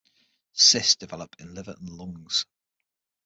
Cysts develop in liver and lungs.